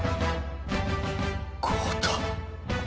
豪太！